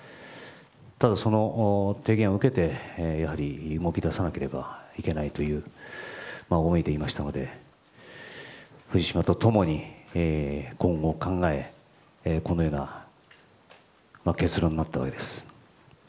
ただ、その提言を受けてやはり動き出さなければいけないという思いでいましたので藤島と共に今後を考え、このような結論になったわけです。